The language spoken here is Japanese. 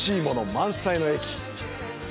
満載の駅。